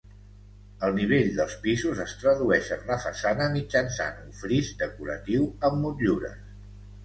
El nivell dels pisos es tradueix en la façana mitjançant un fris decoratiu amb motllures.